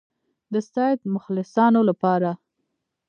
د سید مخلصانو لپاره.